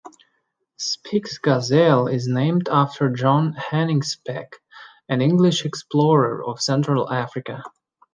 Speke's gazelle is named after John Hanning Speke, an English explorer of Central Africa.